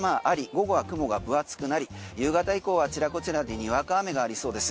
午後は雲が分厚くなり夕方以降はあちらこちらでにわか雨がありそうです。